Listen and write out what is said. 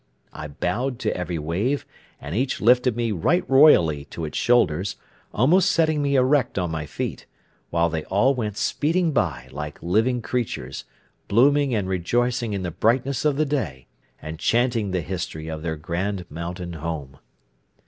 I bowed to every wave, and each lifted me right royally to its shoulders, almost setting me erect on my feet, while they all went speeding by like living creatures, blooming and rejoicing in the brightness of the day, and chanting the history of their grand mountain home.